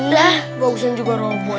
dah bagusan juga robot